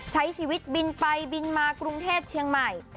ใช้ชีวิตบินไปบินมากรุงเทพเชียงใหม่